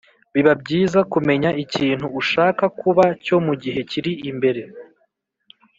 biba byiza kumenya ikintu ushaka kuba cyo mu gihe kiri imbere,